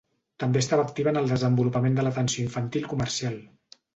També estava activa en el desenvolupament de l'atenció infantil comercial.